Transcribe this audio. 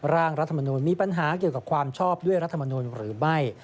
ร่างรัฐมนูลมีปัญหาเกี่ยวกับความชอบด้วยรัฐมนุนหรือไม่